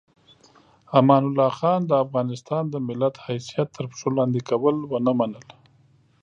امان الله خان د افغانستان د ملت حیثیت تر پښو لاندې کول ونه منل.